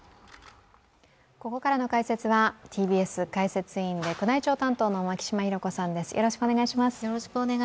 ここからの解説はＴＢＳ解説委員で宮内庁担当の牧嶋博子さんです。